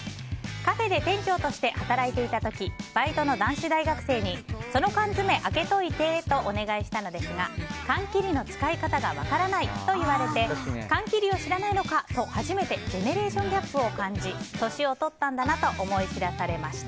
カフェで店長として働いていた時バイトの男子大学生にその缶詰開けておいてとお願いしたのですが缶切りの使い方が分からないと言われて缶切りを知らないのかと初めてジェネレーションギャップを感じ年を取ったんだなと思い知らされました。